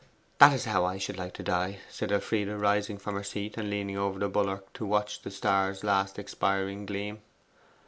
'That's how I should like to die,' said Elfride, rising from her seat and leaning over the bulwark to watch the star's last expiring gleam.